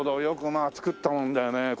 よくまあ作ったもんだよね。